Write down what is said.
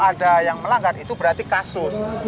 ada yang melanggar itu berarti kasus